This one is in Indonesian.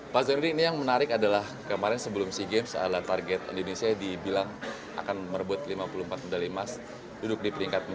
pak zainuddin ini yang menarik adalah kemarin sebelum sea games adalah target indonesia dibilang akan merebut lima puluh empat medali emas duduk di peringkat empat